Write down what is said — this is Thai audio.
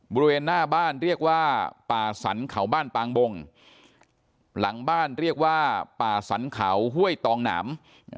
บริเวณหน้าบ้านเรียกว่าป่าสรรเขาบ้านปางบงหลังบ้านเรียกว่าป่าสรรเขาห้วยตองหนาม